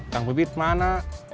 tak ada yang mana